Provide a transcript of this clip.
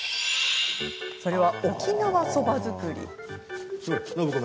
それは、沖縄そば作り。